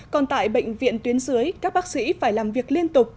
còn tại bệnh viện tuyến dưới các bác sĩ phải làm việc liên tục